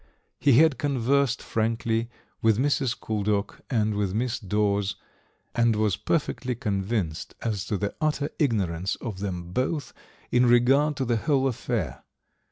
He had conversed frankly with Mrs. Couldock and with Miss Dawes and was perfectly convinced as to the utter ignorance of them both in regard to the whole affair.